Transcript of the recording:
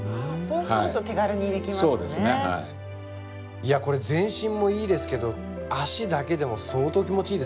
いやこれ全身もいいですけど足だけでも相当気持ちいいですよ。